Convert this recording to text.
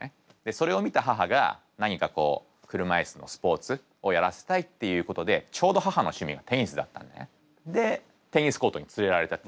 それを見た母が何かこう車いすのスポーツをやらせたいっていうことでちょうど母の趣味がテニスだったんでねでテニスコートに連れられた。